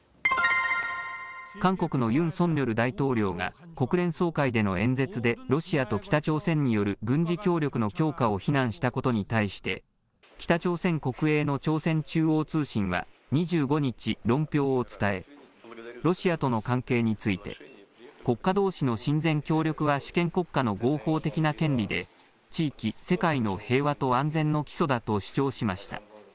韓国のユン・ソンニョル大統領が国連総会での演説でロシアと北朝鮮による軍事協力の強化を非難したことに対して北朝鮮国営の朝鮮中央通信は２５日、論評を伝えロシアとの関係について国家どうしの親善・協力は主権国家の合法的な権利で地域、世界の平和と安全の基礎だと主張しました。